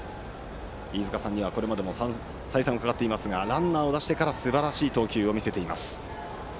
飯塚さんには再三伺っていますがランナーを出してからすばらしい投球を見せています。